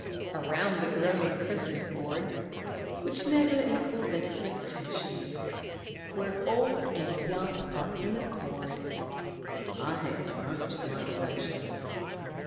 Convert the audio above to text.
_) Around the groaning Christmas board, (Which never equals expectations,) Where old and young are in accord (_I hate the most of my relations!